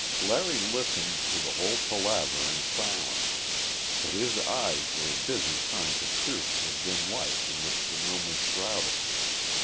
Larry listened to the whole palaver in silence, but his eyes were busy trying to pierce the dim light in which the room was shrouded.